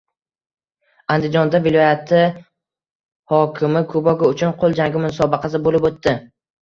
Andijonda viloyati hokimi kubogi uchun qo‘l jangi musobaqasi bo‘lib o‘tdi